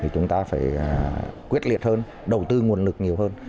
chúng ta phải quyết liệt hơn đầu tư nguồn lực nhiều hơn